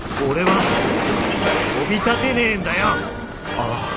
ああ。